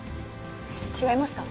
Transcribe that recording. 違いますか？